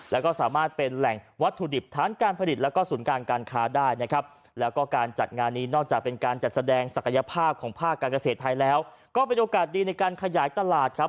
แล้วก็สามารถเป็นแหล่งวัตถุดิบฐานการผลิตแล้วก็ศูนย์การค้าได้นะครับแล้วก็การจัดงานนี้นอกจากเป็นการจัดแสดงศักยภาพของภาคการเกษตรไทยแล้วก็เป็นโอกาสดีในการขยายตลาดครับ